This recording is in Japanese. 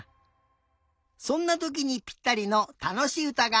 そんなときにぴったりのたのしいうたがあるんだよ！